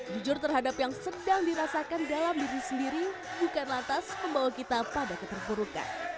jujur terhadap yang sedang dirasakan dalam diri sendiri bukan lantas membawa kita pada keterburukan